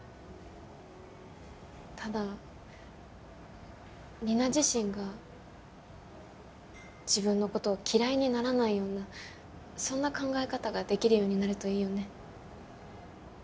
ただリナ自身が自分のことを嫌いにならないようなそんな考え方ができるようになるといいよね。